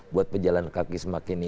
buat pejalan kaki semakin